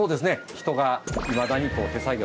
人がいまだにこう手作業。